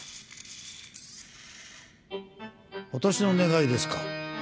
・私の願いですか？